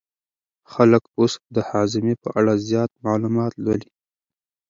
خلک اوس د هاضمې په اړه زیات معلومات لولي.